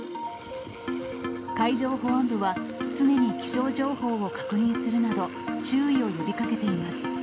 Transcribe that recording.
海上保安部は、常に気象情報を確認するなど、注意を呼びかけています。